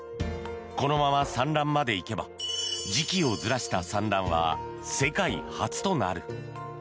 このまま産卵まで行けば時期をずらした産卵は世界初となる。